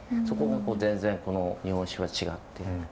そこが全然この日本酒は違って。